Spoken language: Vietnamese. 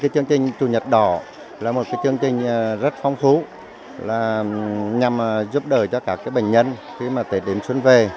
chương trình chủ nhật đỏ là một cái chương trình rất phong phú là nhằm giúp đỡ cho các bệnh nhân khi mà tết đến xuân về